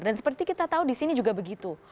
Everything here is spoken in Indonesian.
dan seperti kita tahu di sini juga begitu